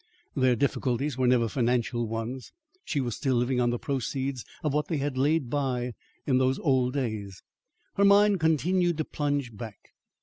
Their difficulties were never financial ones. She was still living on the proceeds of what they had laid by in those old days. Her mind continued to plunge back.